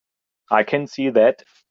I can see that.